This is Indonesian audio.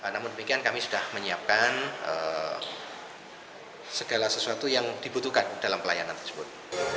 namun demikian kami sudah menyiapkan segala sesuatu yang dibutuhkan dalam pelayanan tersebut